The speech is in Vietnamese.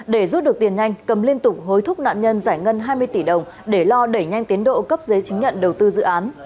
để rút được tiền nhanh cầm liên tục hối thúc nạn nhân giải ngân hai mươi tỷ đồng để lo đẩy nhanh tiến độ cấp giấy chứng nhận đầu tư dự án